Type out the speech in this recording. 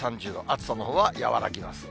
暑さのほうは和らぎます。